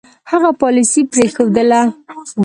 هغه پالیسي پرېښودله.